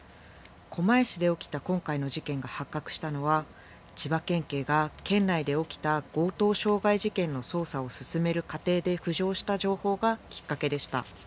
狛江市で起きた今回の事件が発覚したのは千葉県警が県内で起きた強盗傷害事件の捜査を進める過程で浮上した情報がきっかけでした。